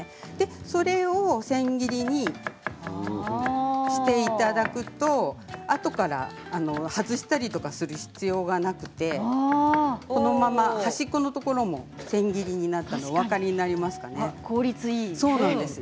それを千切りにしていただくとあとから外したりとかする必要がなくてこのまま端っこのところも千切りになっているのがお分かりになりますかね。